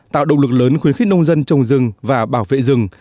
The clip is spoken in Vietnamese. tạo động lực lớn khuyến khích nông dân trồng rừng và bảo vệ rừng